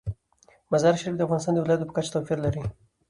مزارشریف د افغانستان د ولایاتو په کچه توپیر لري.